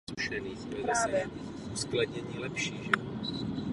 Místy se sníh drží celý rok.